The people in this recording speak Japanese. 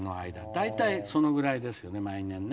大体そのぐらいですよね毎年ね。